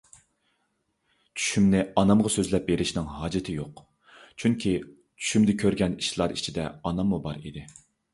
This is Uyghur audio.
چۈشۈمنى ئانامغا سۆزلەپ بېرىشنىڭ ھاجىتى يوق، چۈنكى چۈشۈمدە كۆرگەن ئىشلار ئىچىدە ئاناممۇ بار ئىدى.